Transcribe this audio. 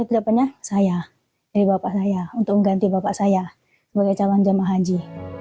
kemudian kebetulannya saya dari bapak saya untuk mengganti bapak saya sebagai calon jemaah haji